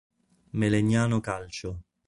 Melegnano Calcio".